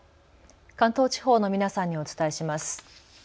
関東地方の皆さんにお伝えします。